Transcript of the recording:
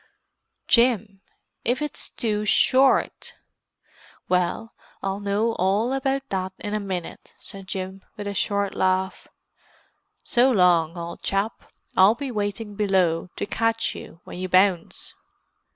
"Jim—if it's too short!" "Well, I'll know all about that in a minute," said Jim with a short laugh. "So long, old chap: I'll be waiting below, to catch you when you bounce!"